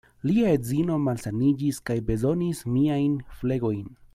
Lia edzino malsaniĝis kaj bezonis miajn flegojn.